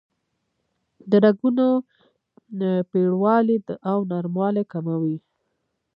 د رګونو پیړوالی او نرموالی کموي.